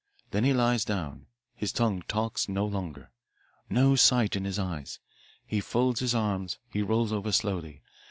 Then he lies down. His tongue talks no longer. No sight in his eyes. He folds his arms. He rolls over slowly.